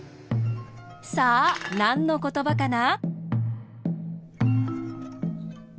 さあなんのことばかな？